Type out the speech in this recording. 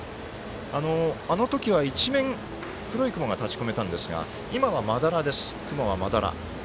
あの時は、一面、暗い雲が立ちこめたんですが今は、まだらです、雲はまだら。